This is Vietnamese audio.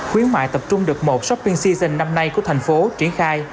khuyến mại tập trung được một shopping season năm nay của thành phố triển khai